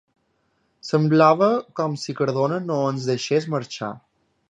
Semblava com si Cardona no ens deixés marxar.